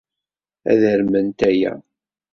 Ad arment aya.